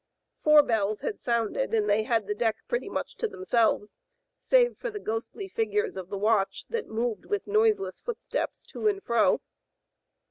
Four bells had sounded and they had the deck pretty much to themselves, save for the ghostly figures of the watch that moved with noiseless footsteps to and fro.